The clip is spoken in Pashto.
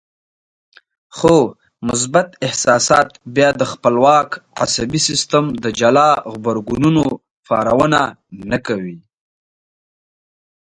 خو مثبت احساسات بيا د خپلواک عصبي سيستم د جلا غبرګونونو پارونه نه کوي.